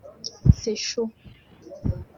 C’est chaud.